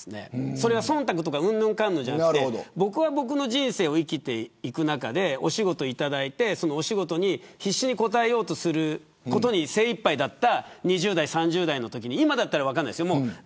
それは忖度とかうんぬんかんぬんじゃなくて僕は僕の人生を生きていく中でお仕事をいただいてその仕事に必死に応えようとすることに精いっぱいだった２０代、３０代のときに今だったら分からないですよ。